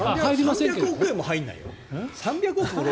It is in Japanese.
３００億円も入らないよ。